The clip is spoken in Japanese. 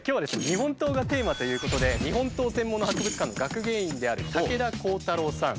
日本刀がテーマということで日本刀専門の博物館の学芸員である武田耕太郎さん。